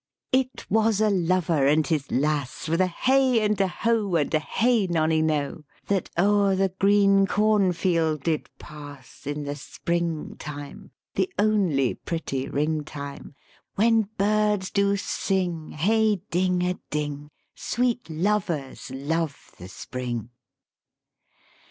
It was a lover and his lass With a hey and a ho, and a hey nonino! That o'er the green cornfield did pass 124 LYRIC POETRY In the spring time, the only pretty ring time, When birds do sing hey ding a ding: Sweet lovers love the Spring.